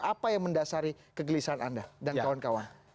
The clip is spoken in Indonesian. apa yang mendasari kegelisahan anda dan kawan kawan